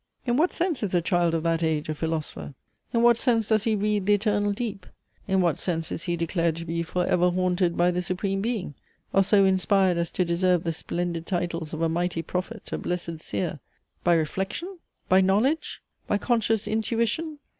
In what sense is a child of that age a Philosopher? In what sense does he read "the eternal deep?" In what sense is he declared to be "for ever haunted" by the Supreme Being? or so inspired as to deserve the splendid titles of a Mighty Prophet, a blessed Seer? By reflection? by knowledge? by conscious intuition?